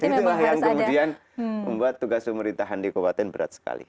itulah yang kemudian membuat tugas pemerintahan di kabupaten berat sekali